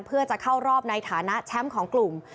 เพื่อจะเข้ารอบในฐานะแชมป์ของกลุ่ม